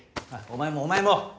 お前もお前も！